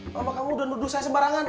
mama kamu udah nuduh saya sembarangan